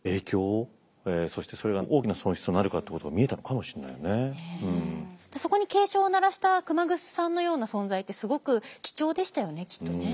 こと知りたいっていうものがそこに警鐘を鳴らした熊楠さんのような存在ってすごく貴重でしたよねきっとね。